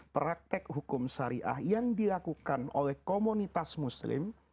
praktek hukum syariah yang dilakukan oleh komunitas muslim